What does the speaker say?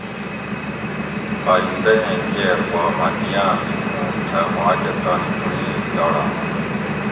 آئندہ ایں کیر پا مہ دیانت اُوں تھہ ماکہ تانی چُنڑیل لاڑا